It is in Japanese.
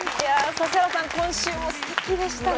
指原さん、今週もステキでしたね。